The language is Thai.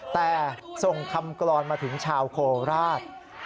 แต่ส่งคำกรอนมาถึงชาวโคราช